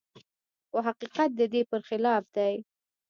خو حقيقت د دې پرخلاف دی.